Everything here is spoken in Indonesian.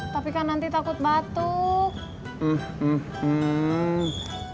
tapi kan nanti takut batuk